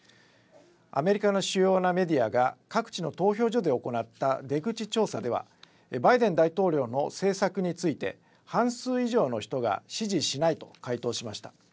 アメリカの主要なメディアが各地の投票所で行った出口調査ではバイデン大統領の政策について半数以上の人が支持しないと回答しました。